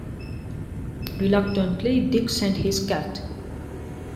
Reluctantly, Dick sent his cat.